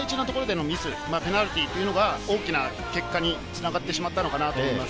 課題は大事なところでのミス、ペナルティーというのは大きな結果につながってしまったのかなと思います。